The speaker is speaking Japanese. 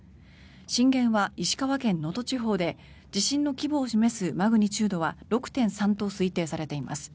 震源は石川県能登地方で地震の規模を示すマグニチュードは６．３と推定されています。